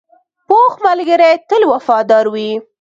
پوخ ملګری تل وفادار وي